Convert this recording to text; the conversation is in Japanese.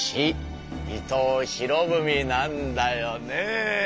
伊藤博文なんだよね。